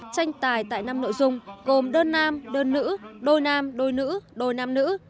tranh tài tại năm nội dung gồm đơn nam đơn nữ đôi nam đôi nữ đôi nam nữ